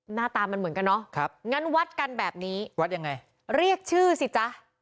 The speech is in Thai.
หน้าตามันเหมือนกันเนาะงั้นวัดกันแบบนี้วัดยังไงเรียกชื่อสิจ๊ะ